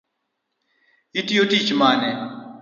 Itiyo tich mane?